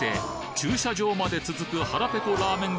駐車場まで続く腹ペコラーメン